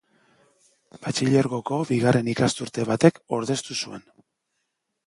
Batxilergoko bigarren ikasturte batek ordeztu zuen.